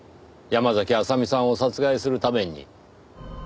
山嵜麻美さんを殺害するために。